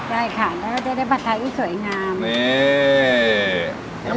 ใช่ค่ะแล้วก็จะได้ผัดไทยที่สวยงาม